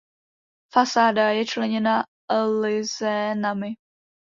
Fasáda je členěna lizénami.